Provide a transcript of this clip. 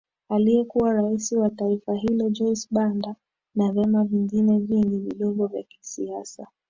aliyekuwa rais wa taifa hilo Joyce Banda na vyama vingine vingi vidogo vya kisiasa